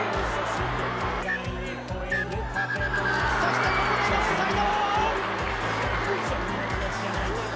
そして、ここでノーサイド。